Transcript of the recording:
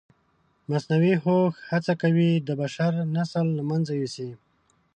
مصنوعي هوښ هڅه کوي د بشر نسل له منځه یوسي.